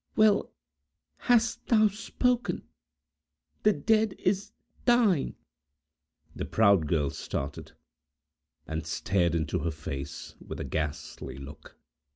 "Well hast thou spoken! The dead is thine!" The proud girl started, and stared into her face, with a ghastly look.